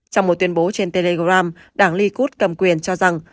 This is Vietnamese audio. trong một tuyên bố trên telegram đảng likud cầm quyền cho rằng